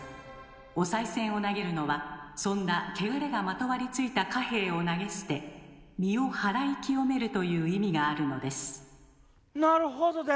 お賽銭を投げるのはそんなけがれがまとわりついた貨幣を投げ捨て身をはらい清めるという意味があるのですなるほどです！